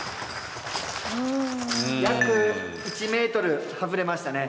約１ｍ外れましたね。